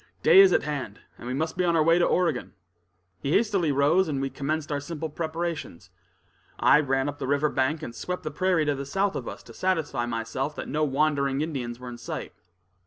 "Day is at hand, and we must be on our way to Oregon." He hastily rose, and we commenced our simple preparations. I ran up the river bank, and swept the prairie to the south of us to satisfy myself that no wandering Indians were in sight.